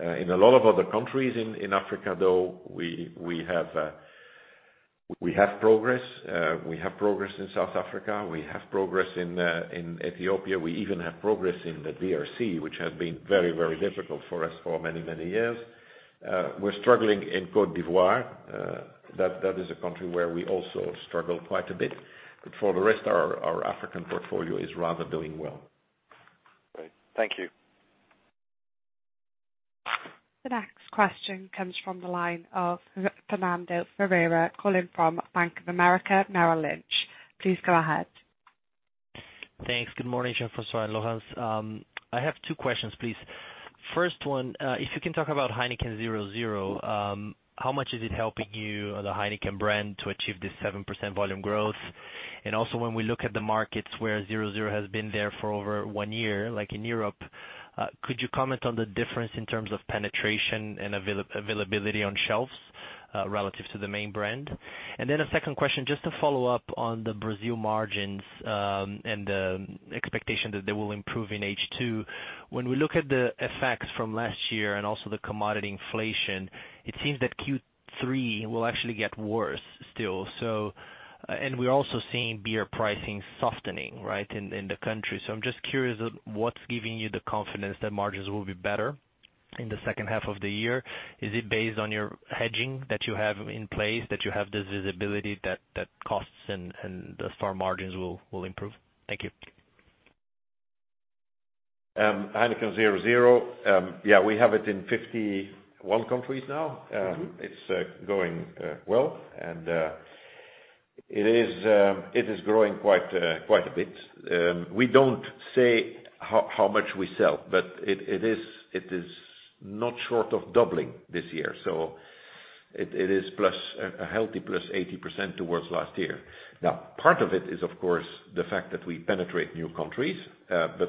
In a lot of other countries in Africa, though, we have progress. We have progress in South Africa. We have progress in Ethiopia. We even have progress in the DRC, which has been very difficult for us for many years. We're struggling in Côte d'Ivoire. That is a country where we also struggle quite a bit. For the rest, our African portfolio is rather doing well. Great. Thank you. The next question comes from the line of Fernando Ferreira, calling from Bank of America Merrill Lynch. Please go ahead. Thanks. Good morning, Jean-François and Laurence. I have two questions, please. First one, if you can talk about Heineken 0.0, how much is it helping you or the Heineken brand to achieve this 7% volume growth? Also when we look at the markets where 0.0 has been there for over one year, like in Europe, could you comment on the difference in terms of penetration and availability on shelves relative to the main brand? Then a second question, just to follow up on the Brazil margins, and the expectation that they will improve in H2. When we look at the effects from last year and also the commodity inflation, it seems that Q3 will actually get worse still. We're also seeing beer pricing softening, right, in the country. I'm just curious, what's giving you the confidence that margins will be better in the second half of the year? Is it based on your hedging that you have in place, that you have this visibility that costs and thus far margins will improve? Thank you. Heineken 0.0, yeah, we have it in 51 countries now. It's going well. It is growing quite a bit. We don't say how much we sell. It is not short of doubling this year. It is a healthy plus 80% towards last year. Part of it is of course the fact that we penetrate new countries.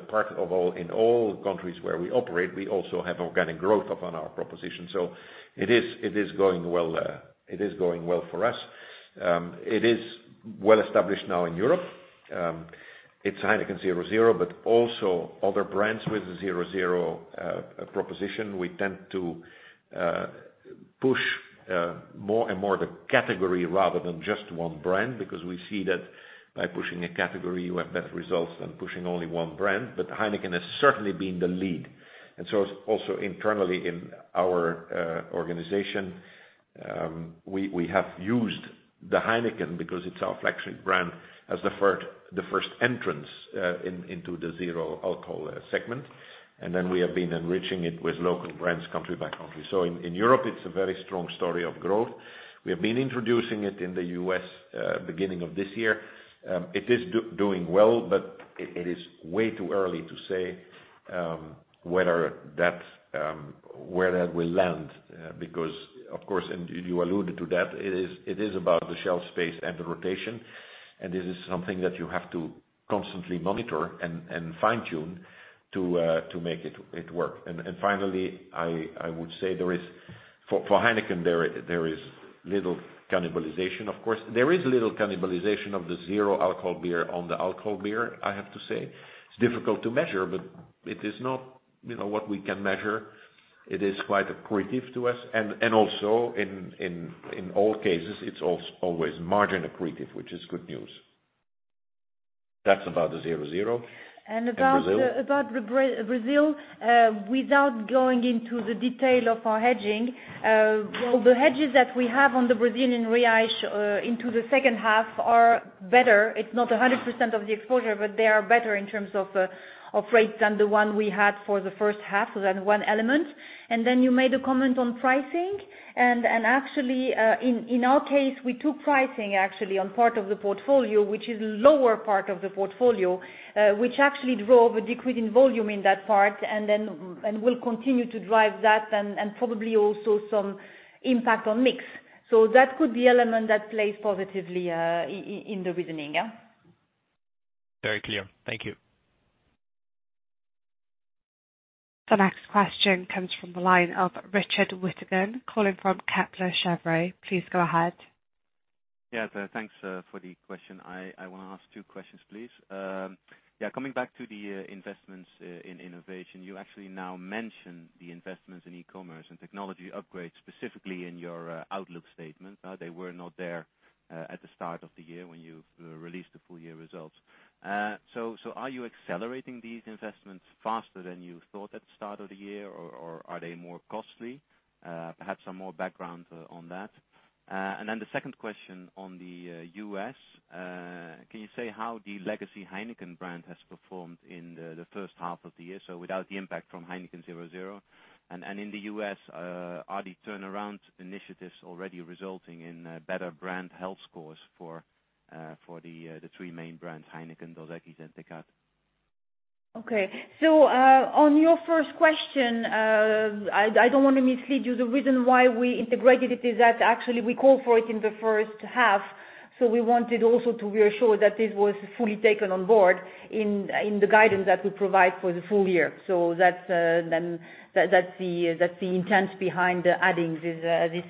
Part of in all countries where we operate, we also have organic growth upon our proposition. It is going well for us. It is well established now in Europe. It's Heineken 0.0. Also other brands with a 0.0 proposition. We tend to push more and more the category rather than just one brand, because we see that by pushing a category you have better results than pushing only one brand. Heineken has certainly been the lead. Also internally in our organization, we have used the Heineken, because it's our flagship brand, as the first entrance into the zero alcohol segment. Then we have been enriching it with local brands country by country. In Europe, it's a very strong story of growth. We have been introducing it in the U.S. beginning of this year. It is doing well, but it is way too early to say where that will land. Of course, and you alluded to that, it is about the shelf space and the rotation, and this is something that you have to constantly monitor and fine tune to make it work. Finally, I would say for Heineken, there is little cannibalization. Of course, there is little cannibalization of the zero alcohol beer on the alcohol beer, I have to say. It's difficult to measure, but it is not what we can measure. It is quite accretive to us and also in all cases, it's always margin accretive, which is good news. That's about the 0.0. Brazil? About Brazil, well, without going into the detail of our hedging, the hedges that we have on the Brazilian real into the second half are better. It's not 100% of the exposure, but they are better in terms of rates than the one we had for the first half. That one element. You made a comment on pricing. Actually, in our case, we took pricing actually on part of the portfolio, which is lower part of the portfolio, which actually drove a decline in volume in that part and will continue to drive that and probably also some impact on mix. That could be element that plays positively in the reasoning, yeah. Very clear. Thank you. The next question comes from the line of Richard Withagen, calling from Kepler Cheuvreux. Please go ahead. Yeah. Thanks for the question. I want to ask two questions, please. Yeah, coming back to the investments in innovation. You actually now mention the investments in e-commerce and technology upgrades specifically in your outlook statement. They were not there at the start of the year when you released the full year results. Are you accelerating these investments faster than you thought at the start of the year or are they more costly? Perhaps some more background on that. The second question on the U.S. Can you say how the legacy Heineken brand has performed in the first half of the year? Without the impact from Heineken 0.0. In the U.S., are the turnaround initiatives already resulting in better brand health scores for the three main brands, Heineken, Dos Equis, and Tecate? On your first question, I don't want to mislead you. The reason why we integrated it is that actually we call for it in the first half. We wanted also to reassure that this was fully taken on board in the guidance that we provide for the full year. That's the intent behind adding these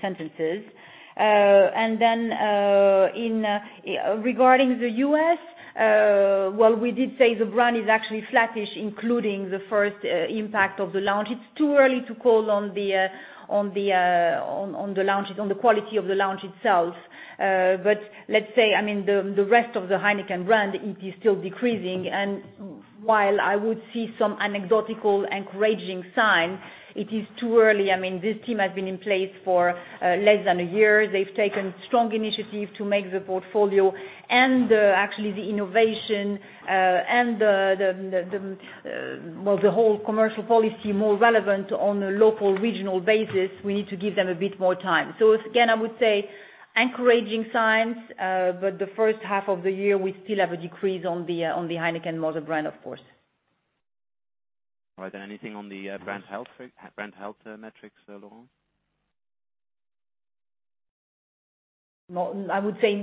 sentences. Regarding the U.S., well, we did say the brand is actually flattish, including the first impact of the launch. It's too early to call on the quality of the launch itself. Let's say, the rest of the Heineken brand, it is still decreasing. While I would see some anecdotical encouraging signs, it is too early. This team has been in place for less than a year. They've taken strong initiative to make the portfolio and actually the innovation, and the whole commercial policy more relevant on a local, regional basis. We need to give them a bit more time. Again, I would say encouraging signs. The first half of the year, we still have a decrease on the Heineken mother brand, of course. All right. Anything on the brand health metrics, Laurence? No, I would say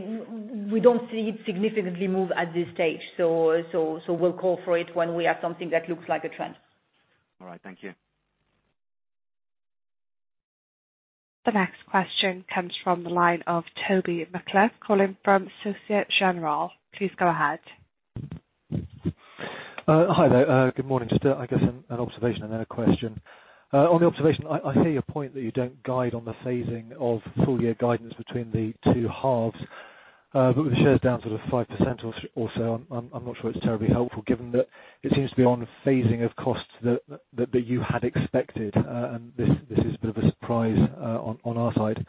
we don't see it significantly move at this stage, so we'll call for it when we have something that looks like a trend. All right. Thank you. The next question comes from the line of Toby McCullagh, calling from Société Générale. Please go ahead. Hi there. Good morning. I guess an observation and then a question. On the observation, I hear your point that you don't guide on the phasing of full year guidance between the two halves. With the shares down sort of 5% or so, I'm not sure it's terribly helpful given that it seems to be on phasing of costs that you had expected. This is a bit of a surprise on our side.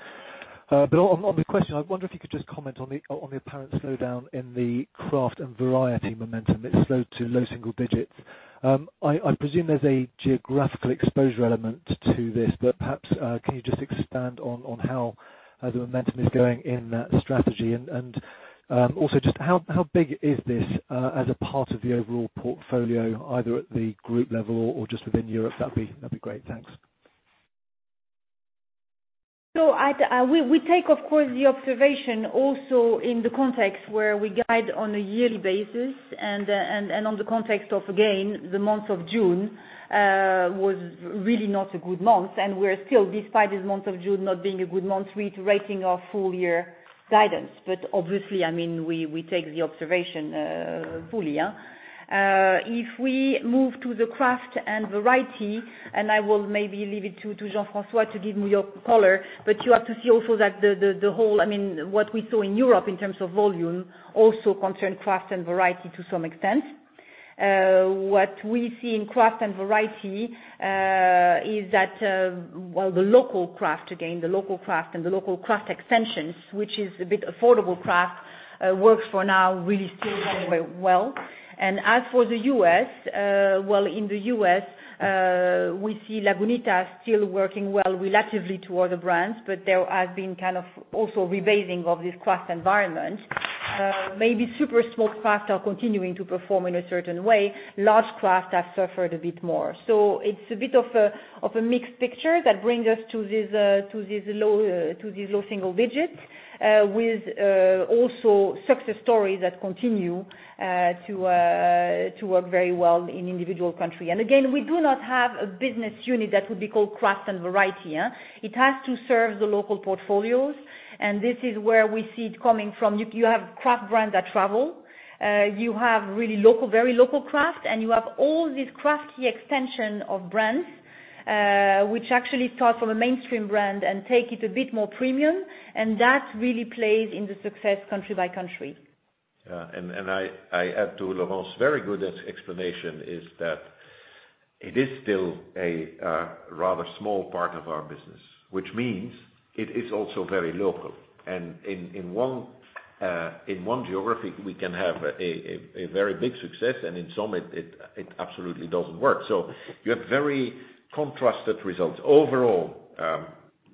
On the question, I wonder if you could just comment on the apparent slowdown in the craft and variety momentum that slowed to low single digits. I presume there's a geographical exposure element to this. Perhaps, can you just expand on how the momentum is going in that strategy? Also, just how big is this as a part of the overall portfolio, either at the group level or just within Europe? That'd be great. Thanks. We take, of course, the observation also in the context where we guide on a yearly basis and on the context of, again, the month of June, was really not a good month. We're still, despite this month of June not being a good month, reiterating our full year guidance. Obviously, we take the observation fully. If we move to the craft and variety, and I will maybe leave it to Jean-François to give more color, but you have to see also that the whole, what we saw in Europe in terms of volume also concerned craft and variety to some extent. What we see in craft and variety, is that, well, the local craft, again, the local craft and the local craft extensions, which is a bit affordable craft, works for now, really still very well. As for the U.S., well, in the U.S., we see Lagunitas still working well relatively to other brands, but there has been kind of also rebasing of this craft environment. Maybe super small craft are continuing to perform in a certain way. Large craft have suffered a bit more. It's a bit of a mixed picture that brings us to these low single-digits, with also success stories that continue to work very well in individual country. Again, we do not have a business unit that would be called craft and variety. It has to serve the local portfolios, and this is where we see it coming from. You have craft brands that travel. You have really very local craft, and you have all these crafty extension of brands, which actually start from a mainstream brand and take it a bit more premium. That really plays in the success country by country. Yeah. I add to Laurence, very good explanation is that it is still a rather small part of our business, which means it is also very local. In one geography, we can have a very big success, and in some it absolutely doesn't work. You have very contrasted results. Overall,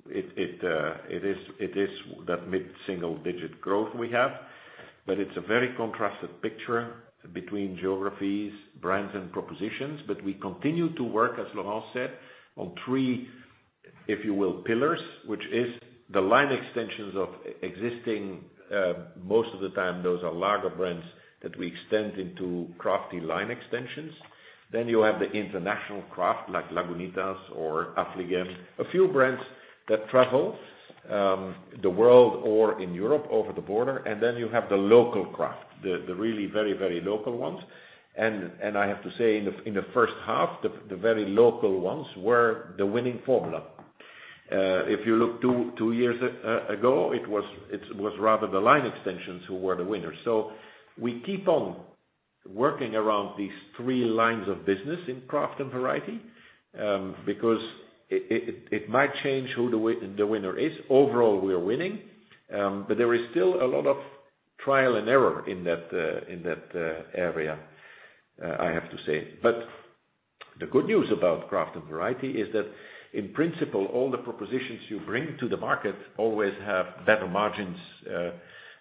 it is that mid-single digit growth we have, but it is a very contrasted picture between geographies, brands, and propositions. We continue to work, as Laurence said, on three, if you will, pillars, which is the line extensions of existing, most of the time, those are lager brands that we extend into crafty line extensions. You have the international craft like Lagunitas or Affligem, a few brands that travel, the world or in Europe over the border. You have the local craft, the really very local ones. I have to say, in the first half, the very local ones were the winning formula. If you look two years ago, it was rather the line extensions who were the winners. We keep on Working around these three lines of business in craft and variety, because it might change who the winner is. Overall, we are winning. There is still a lot of trial and error in that area, I have to say. The good news about craft and variety is that in principle, all the propositions you bring to the market always have better margins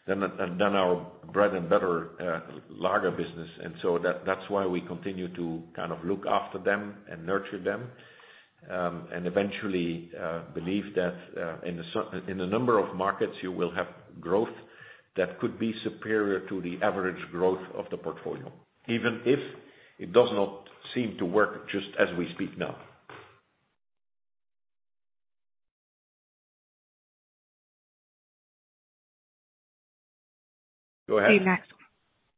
than our bread and butter lager business. That's why we continue to look after them and nurture them, and eventually believe that in a number of markets, you will have growth that could be superior to the average growth of the portfolio, even if it does not seem to work just as we speak now. Go ahead.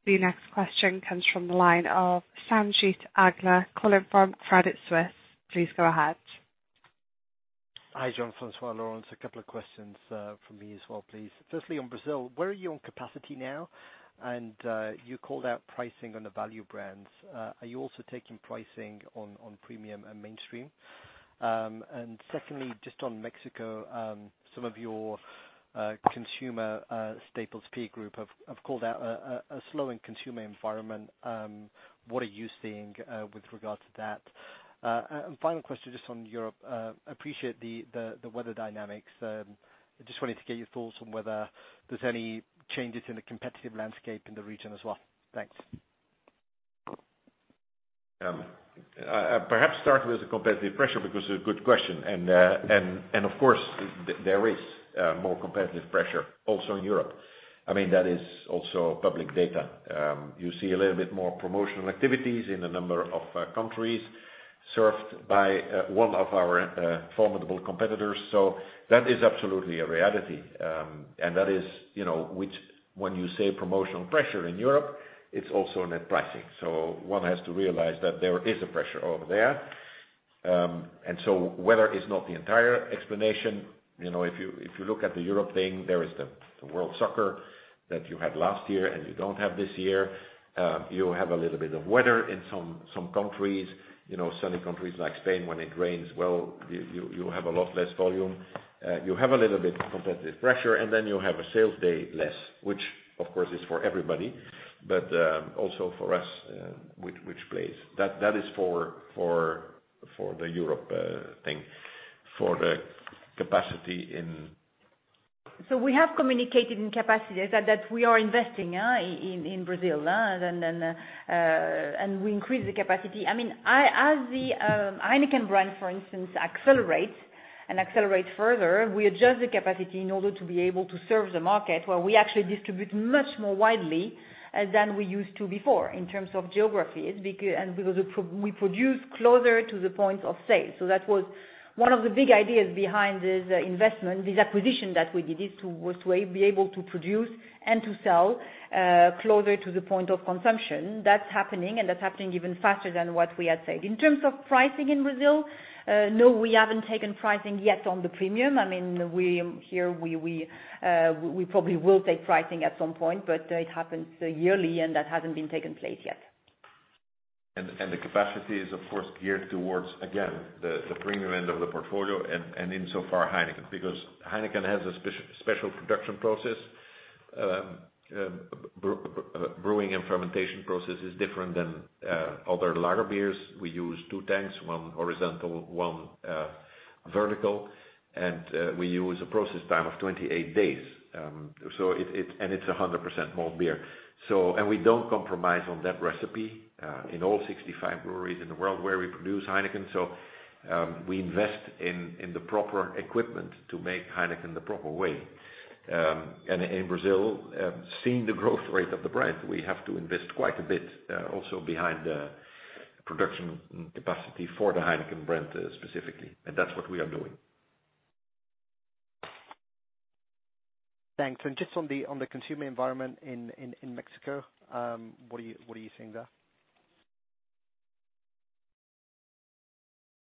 The next question comes from the line of Sanjeet Aujla, calling from Credit Suisse. Please go ahead. Hi, Jean-François, Laurence. A couple of questions from me as well, please. Firstly, on Brazil, where are you on capacity now? You called out pricing on the value brands. Are you also taking pricing on premium and mainstream? Secondly, just on Mexico, some of your consumer staples peer group have called out a slow in consumer environment. What are you seeing with regards to that? Final question just on Europe. Appreciate the weather dynamics. Just wanted to get your thoughts on whether there's any changes in the competitive landscape in the region as well. Thanks. Perhaps start with the competitive pressure because it's a good question. Of course, there is more competitive pressure also in Europe. That is also public data. You see a little bit more promotional activities in a number of countries served by one of our formidable competitors. That is absolutely a reality. That is, which when you say promotional pressure in Europe, it's also net pricing. One has to realize that there is a pressure over there. Weather is not the entire explanation. If you look at the Europe thing, there is the world soccer that you had last year and you don't have this year. You have a little bit of weather in some countries. Sunny countries like Spain, when it rains, well, you have a lot less volume. You have a little bit of competitive pressure, and then you have a sales day less, which of course is for everybody, but also for us, which plays. That is for the Europe thing, for the capacity in We have communicated in capacity that we are investing in Brazil. We increase the capacity. As the Heineken brand, for instance, accelerates and accelerate further, we adjust the capacity in order to be able to serve the market where we actually distribute much more widely than we used to before in terms of geographies, and because we produce closer to the point of sale. That was one of the big ideas behind this investment, this acquisition that we did, is to be able to produce and to sell closer to the point of consumption. That's happening, and that's happening even faster than what we had said. In terms of pricing in Brazil, no, we haven't taken pricing yet on the premium. We probably will take pricing at some point, but it happens yearly, and that hasn't been taken place yet. The capacity is, of course, geared towards, again, the premium end of the portfolio and insofar Heineken, because Heineken has a special production process. Brewing and fermentation process is different than other lager beers. We use two tanks, one horizontal, one vertical, and we use a process time of 28 days. It's 100% malt beer. We don't compromise on that recipe in all 65 breweries in the world where we produce Heineken. We invest in the proper equipment to make Heineken the proper way. In Brazil, seeing the growth rate of the brand, we have to invest quite a bit also behind the production capacity for the Heineken brand specifically, and that's what we are doing. Thanks. Just on the consumer environment in Mexico, what are you seeing there?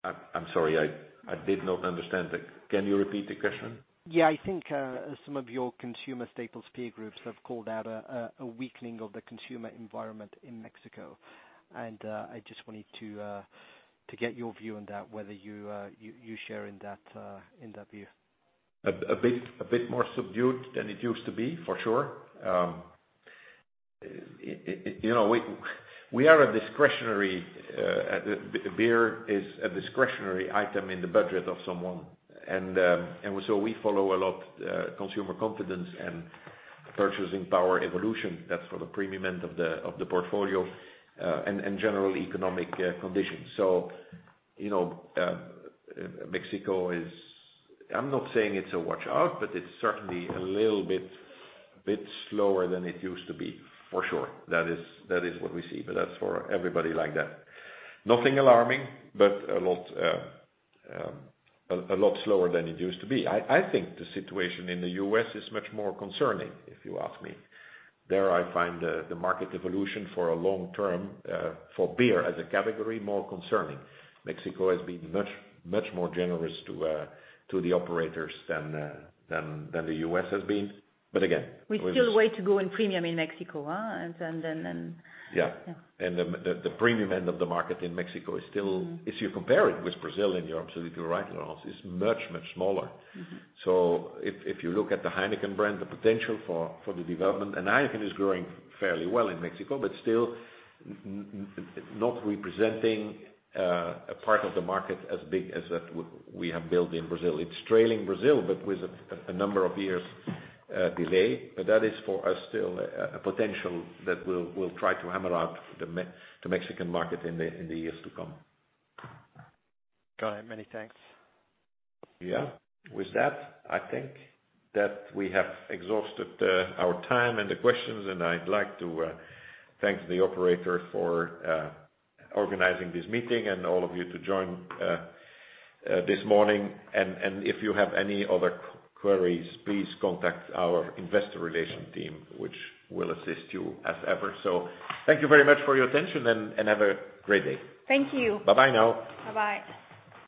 I'm sorry, I did not understand that. Can you repeat the question? Yeah, I think some of your consumer staples peer groups have called out a weakening of the consumer environment in Mexico. I just wanted to get your view on that, whether you share in that view? A bit more subdued than it used to be, for sure. Beer is a discretionary item in the budget of someone. We follow a lot consumer confidence and purchasing power evolution. That's for the premium end of the portfolio, and general economic conditions. Mexico is, I'm not saying it's a watch out, but it's certainly a little bit slower than it used to be, for sure. That is what we see. That's for everybody like that. Nothing alarming, but a lot slower than it used to be. I think the situation in the U.S. is much more concerning, if you ask me. There, I find the market evolution for a long term, for beer as a category, more concerning. Mexico has been much more generous to the operators than the U.S. has been. We still wait to go in premium in Mexico, huh? Yeah. Yeah. The premium end of the market in Mexico is still, if you compare it with Brazil, and you're absolutely right, Laurence, is much smaller. If you look at the Heineken brand, the potential for the development, and Heineken is growing fairly well in Mexico, but still not representing a part of the market as big as that we have built in Brazil. It's trailing Brazil, but with a number of years delay. That is for us still a potential that we'll try to hammer out the Mexican market in the years to come. Got it. Many thanks. Yeah. With that, I think that we have exhausted our time and the questions, and I'd like to thank the operator for organizing this meeting and all of you to join this morning. If you have any other queries, please contact our Investor Relations team, which will assist you as ever. Thank you very much for your attention and have a great day. Thank you. Bye-bye now. Bye-bye.